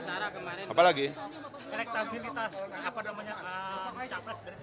elektabilitas apa namanya capres dari pks kan udah ada